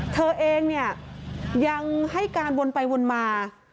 เธอเองยังให้การวนไปวนมา